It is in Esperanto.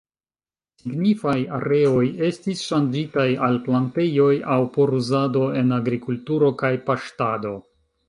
Signifaj areoj estis ŝanĝitaj al plantejoj, aŭ por uzado en agrikulturo kaj paŝtado.